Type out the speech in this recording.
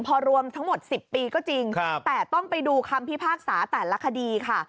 พอรวมทั้งหมด๑๐ปีก็จริงแต่ต้องไปดูคำพิพากษาแต่ละคดีค่ะ